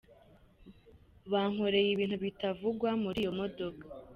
Bankoreye ibintu bitavugwa muri iyo modoka.